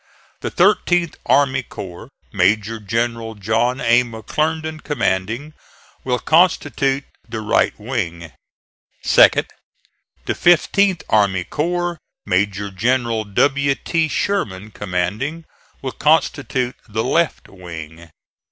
The Thirteenth army corps, Major General John A. McClernand commanding, will constitute the right wing. Second. The Fifteenth army corps, Major General W. T. Sherman commanding, will constitute the left wing.